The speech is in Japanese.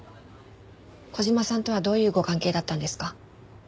小島さんとはどういうご関係だったんですか？